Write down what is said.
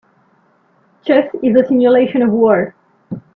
Chess is a simulation of war.